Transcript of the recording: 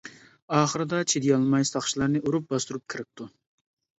ئاخىرىدا چىدىيالماي ساقچىلارنى ئۇرۇپ باستۇرۇپ كىرىپتۇ.